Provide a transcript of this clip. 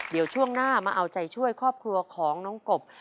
เดี๋ยวช่วงหน้ามาเอาใจช่วยครอบครัวของน้องกบ